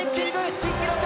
新記録！